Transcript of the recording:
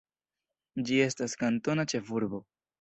Ĝi estas kantona ĉefurbo.